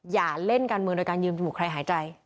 อย่าเล่นการเมืองโดยการยืนจมูกใครหายใจ